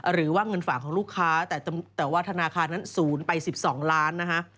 หรือว่าเงินฝากของลูกค้าแต่ว่าธนาคารนั้นศูนย์ไป๑๒ล้านนะฮะ